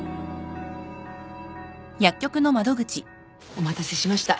お待たせしました。